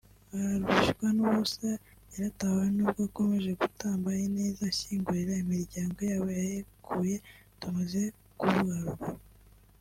Ararushywa n’ubusa yaratahuwe n’ubwo akomeje gutamba ineza ashinyagurira imiryango yabo yahekuye tumaze kuvuga haruguru